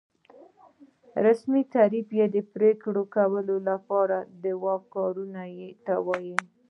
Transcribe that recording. رسمي تعریف یې د پرېکړو کولو لپاره د واک کارونې ته وایي.